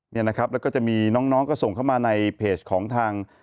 นี่นะครับแล้วก็จะมีน้องก็ส่งเข้ามาในเพจของทาง